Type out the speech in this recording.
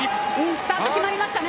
スタート決まりましたね。